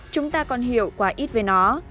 chúng ta còn hiểu quá ít về nó